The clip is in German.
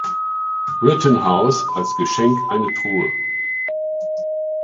Rittenhouse als Geschenk eine Truhe.